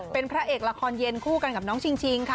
เป็นพระเอกละครเย็นคู่กันกับน้องชิงค่ะ